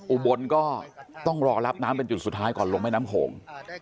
อุบลก็ต้องรอรับน้ำเป็นจุดสุดท้ายก่อนลงแม่น้ำโขง